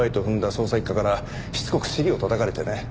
捜査一課からしつこく尻をたたかれてね。